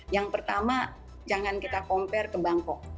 yang pertama jangan kita compare ke bangkok